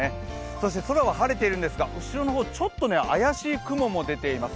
そして空は晴れているんですが後ろの方、ちょっと怪しい雲も出ています。